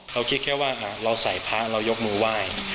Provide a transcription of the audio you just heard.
เขาคิดแค่ว่าเราใส่พระเรายกมือไหว้